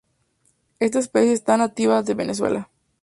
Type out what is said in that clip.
Esta especie es nativa de Venezuela.